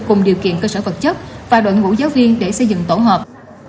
cùng điều kiện cơ sở vật chất và đội ngũ giáo viên để xây dựng tổ hợp